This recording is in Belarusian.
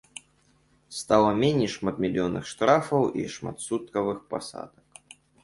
Стала меней шматмільённых штрафаў і шматсуткавых пасадак.